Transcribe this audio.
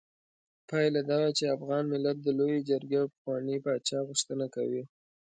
پايله دا وه چې افغان ملت د لویې جرګې او پخواني پاچا غوښتنه کوي.